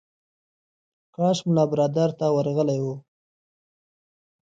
کاش ملا برادر ته ورغلی و.